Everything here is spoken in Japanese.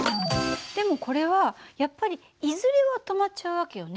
でもこれはやっぱりいずれは止まっちゃう訳よね。